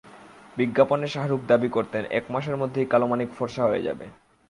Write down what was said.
বিজ্ঞাপনে শাহরুখ দাবি করতেন, এক মাসের মধ্যেই কালোমানিক ফরসা হয়ে যাবে।